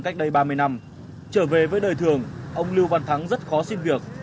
cách đây ba mươi năm trở về với đời thường ông lưu văn thắng rất khó xin việc